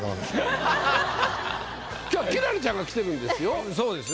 今日は輝星ちゃんが来てるんですよ。